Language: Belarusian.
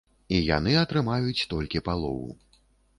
І яны атрымаюць толькі палову.